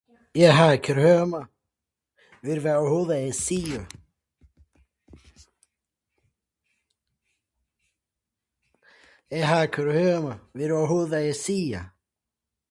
The iron deposit is a banded iron formation of the Early Proterozoic Animikie Group.